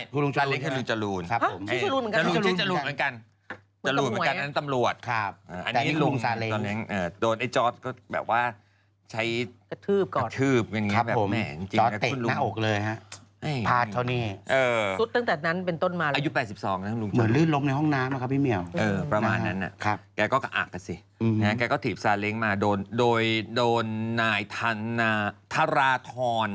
คุณลุงจรูนอะหรออันนั้นเก็บไว้ไว้บนรับไหมคุณลุงจรูน